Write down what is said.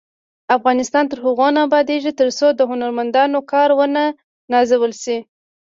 افغانستان تر هغو نه ابادیږي، ترڅو د هنرمندانو کار ونه نازول شي.